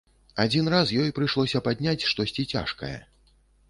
Адзін раз ёй прыйшлося падняць штосьці цяжкае.